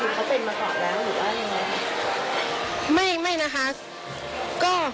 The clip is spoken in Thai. แล้วเขาเป็นยังไงคือเขาเป็นมาก่อนแล้วหรือเปล่ายังไง